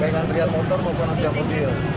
kayak antrian motor maupun kerja mobil